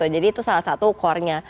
jadi itu salah satu core nya